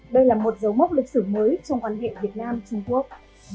đây là một dấu mốc lịch sử mới trong quan hệ việt nam trung quốc